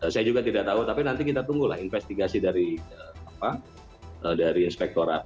saya juga tidak tahu tapi nanti kita tunggulah investigasi dari inspektorat